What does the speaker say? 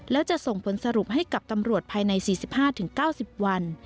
และจะส่งผลสรุปให้กับตำรวจภายใน๔๕๙๐วัน